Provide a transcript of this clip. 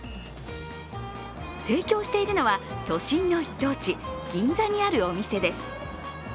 提供しているのは、都心の一等地、銀座にあるお店です。